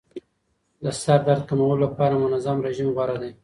د سردرد کمولو لپاره منظم رژیم غوره دی.